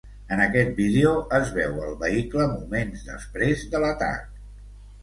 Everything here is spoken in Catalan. En aquest vídeo es veu el vehicle moments després de l’atac.